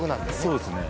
そうですね